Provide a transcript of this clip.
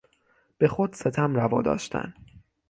به خود ستم روا داشتن